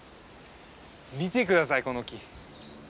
見て下さいこの木。